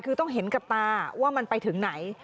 คือต้องเห็นกับตาว่ามันไปถึงไหน